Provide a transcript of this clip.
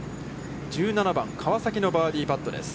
１７番、川崎のバーディーパットです。